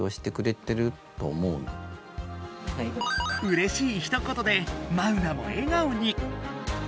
うれしいひと言でマウナも笑顔に！